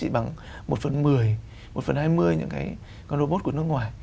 bằng một phần mười một phần hai mươi những cái robot của nước ngoài